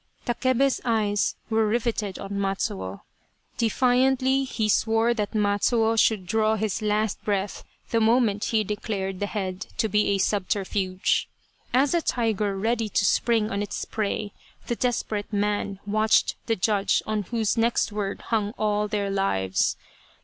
Takebe's eyes were riveted on Matsuo. Defiantly he swore that Matsuo should draw his last breath the moment he declared the head to be a subterfuge. As a tiger ready to spring on its prey, the desperate man watched the judge on whose next word hung all their lives.